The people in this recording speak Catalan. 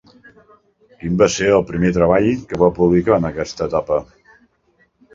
Quin va ser el primer treball que va publicar en aquesta etapa?